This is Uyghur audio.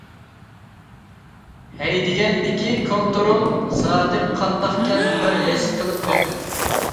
ھەيدىگەندىكى كونترول زادى قانداقكەن بىر ھېس قىلىپ بېقىڭ.